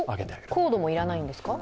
コードも要らないんですか。